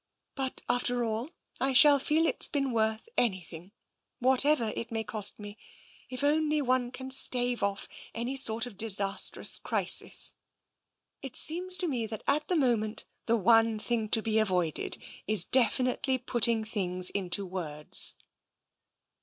But, after all, I shall feel it's been worth any thing — whatever it may cost me — if only one can stave off any sort of disastrous crisis. It seems to me that, at the moment, the one thing to be avoided is defi nitely putting things into words."